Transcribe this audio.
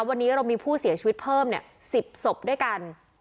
วันนี้เรามีผู้เสียชีวิตเพิ่ม๑๐ศพด้วยกัน